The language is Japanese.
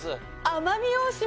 奄美大島。